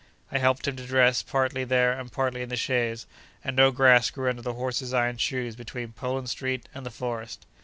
I helped him to dress, partly there and partly in the chaise; and no grass grew under the horses' iron shoes between Poland Street and the Forest.